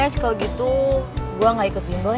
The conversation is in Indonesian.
guys kalau begitu gue nggak ikut libel ya